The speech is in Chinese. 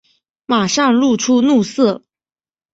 马上露出怒色